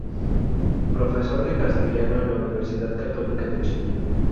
Profesor de Castellano en la Universidad Católica de Chile.